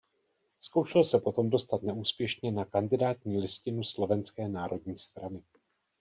Zkoušel se potom dostat neúspěšně na kandidátní listinu Slovenské národní strany.